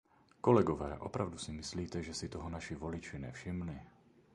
Kolegové, opravdu si myslíte, že si toho naši voliči nevšimli?